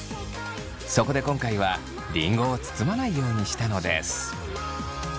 そこで今回はりんごを包まないようにしたのです。